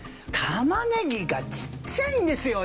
玉ねぎがちっちゃいんですよ